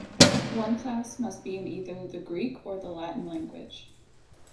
One class must be in either the Greek or the Latin language.